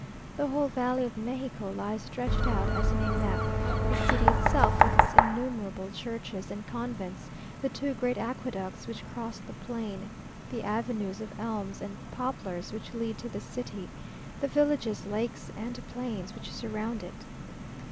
The whole valley of Mexico lies stretched out as in a map; the city itself, with its innumerable churches and convents; the two great aqueducts which cross the plain; the avenues of elms and poplars which lead to the city; the villages, lakes, and plains, which surround it.